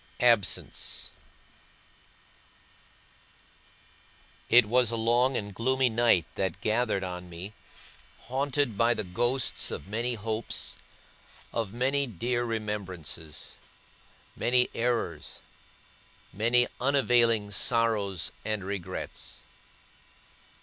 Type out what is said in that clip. ABSENCE It was a long and gloomy night that gathered on me, haunted by the ghosts of many hopes, of many dear remembrances, many errors, many unavailing sorrows and regrets.